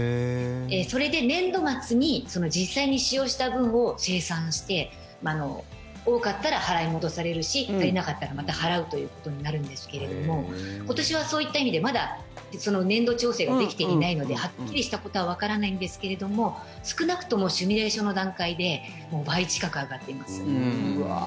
それで年度末に実際に使用した分を精算して多かったら払い戻されるし足りなかったらまた払うということになるんですけれども今年はそういった意味でまだ年度調整ができていないのではっきりしたことはわからないんですけれども少なくともシミュレーションの段階で倍近く上がっています。